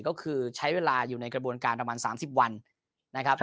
ก็คือใช้เวลาอยู่ในกระบวนการประมาณ๓๐วันนะครับ